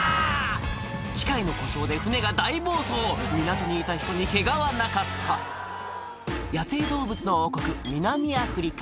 機械の故障で船が大暴走港にいた人にケガはなかった野生動物の王国南アフリカ